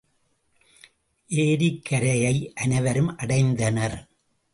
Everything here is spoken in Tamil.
ஏரிக்கரையை அனைவரும் அடைந்தனர்.